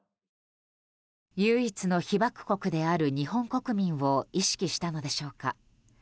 唯一の被爆国である日本国民を意識したのでしょうか。